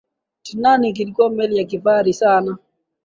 titanic ilikuwa meli ya kifahari sana